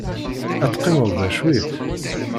Ad teqqimeḍ da cwit?